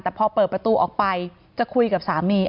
แต่พอเปิดประตูออกไปจะคุยกับสามี